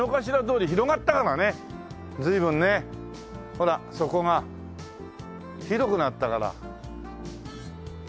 ほらそこが広くなったから。